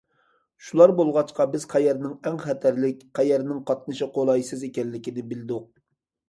شۇلار بولغاچقا بىز قەيەرنىڭ ئەڭ خەتەرلىك، قەيەرنىڭ قاتنىشى قولايسىز ئىكەنلىكىنى بىلدۇق.